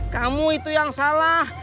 kamu itu yang salah